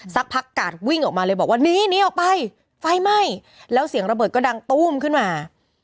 สักพักกาดวิ่งออกมาเลยบอกว่าหนีหนีออกไปไฟไหม้แล้วเสียงระเบิดก็ดังตู้มขึ้นมา